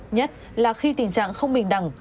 nhất là khi tình trạng không bình đẳng